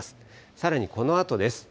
さらにこのあとです。